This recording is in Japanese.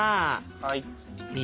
はい。